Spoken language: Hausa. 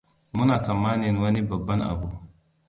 Muna tsammanin wani babban abu.